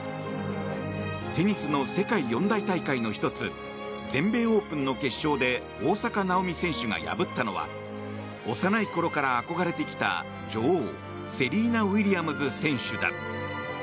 テニスの世界四大大会の１つ全米オープンの決勝で大坂なおみ選手が破ったのは幼い頃から憧れてきた女王セリーナ・ウィリアムズ選手だ。